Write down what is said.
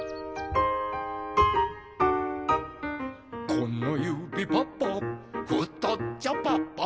「このゆびパパふとっちょパパ」